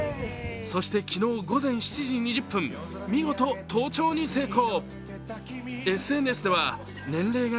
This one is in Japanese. そして昨日午前７時２０分、見事登頂に成功。